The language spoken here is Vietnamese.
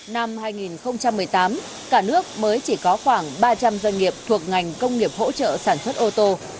năm hai nghìn một mươi tám cả nước mới chỉ có khoảng ba trăm linh doanh nghiệp thuộc ngành công nghiệp hỗ trợ sản xuất ô tô